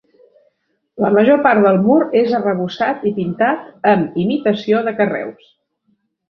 La major part del mur és arrebossat i pintat amb imitació de carreus.